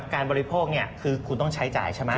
บริโภคคือคุณต้องใช้จ่ายใช่ไหม